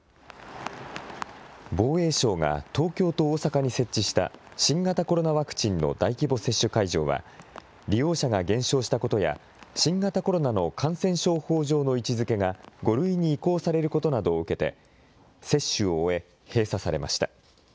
防衛省が東京と大阪に設置した新型コロナワクチンの大規模接種会場は、利用者が減少したことや、新型コロナの感染症法上の位置づけが５類に移行されることなどを受けて、接種を終え、閉鎖されました。